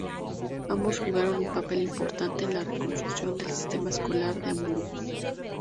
Ambos jugaron un papel importante en la reconstrucción del sistema escolar de Hamburgo.